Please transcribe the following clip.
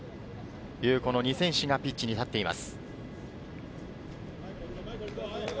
２選手がピッチに立っています。